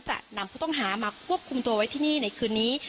จะนำผู้ต้องหามาควบคุมตัวไว้ที่นี่ในคืนนี้